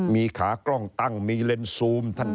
มีขากล้องตั้งมีเลนสูม